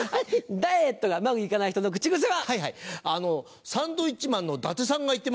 ダイエットがうまく行かない人の口癖は？